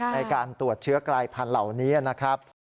ในการตรวจเชื้อกลายพันธุ์เหล่านี้นะครับ